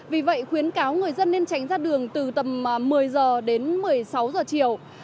vì vậy khuyến cáo người dân nên tránh ra đường từ tầm một mươi giờ đến một mươi sáu giờ chiều